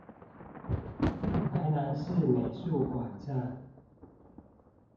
臺南市美術館站